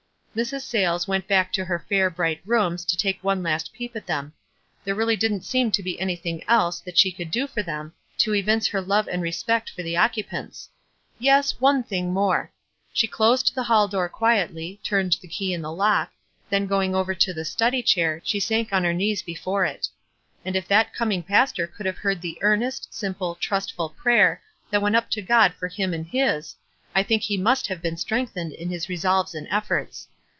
Mrs. Sayles went back to her fair bright rooms to take one last peep at them. There really didn't seem to be anything else that she could do for them to evince her love and respect for the occupants. Yes, one thing more. She 10 WISE AND OTHERWISE. closed the hall door quietly, turned the key in the lock, then going over to the study chair she sank on her knees before it. And if that com ing pastor could have heard the earnest, simple, trustful prayer that went up to God for him and his, I think he must have been strengthened in his resolves and efforts.